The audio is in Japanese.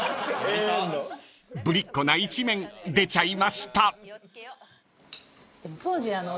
［ぶりっ子な一面出ちゃいました］